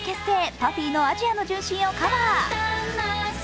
ＰＵＦＦＹの「アジアの純真」をカバー。